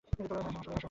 হ্যাঁ, হাসো ভাই হাসো।